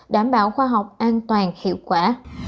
đảm bảo khoa học an toàn hiệu quả